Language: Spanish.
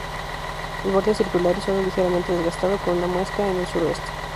El borde es circular y solo ligeramente desgastado, con una muesca en el sureste.